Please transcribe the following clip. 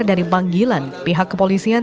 dari panggilan pihak kepolisian